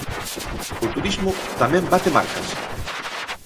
O turismo tamén bate marcas.